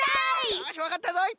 よしわかったぞい。